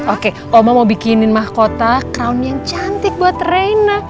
oke oma mau bikinin mahkota count yang cantik buat reina